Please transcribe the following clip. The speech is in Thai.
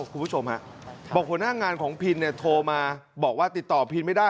คุณผู้ชมฮะบอกหัวหน้างานของพินเนี่ยโทรมาบอกว่าติดต่อพินไม่ได้